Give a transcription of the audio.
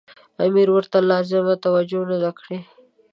امیر ورته لازمه توجه نه ده کړې.